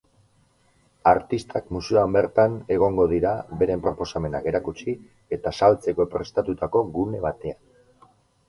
Artistak museoan bertan egongo dira, beren proposamenak erakutsi eta saltzeko prestatutako gune batean.